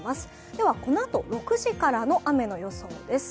ではこのあと６時からの雨の予想です。